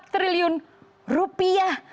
empat puluh empat triliun rupiah